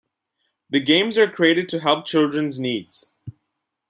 The games were created to help children's needs.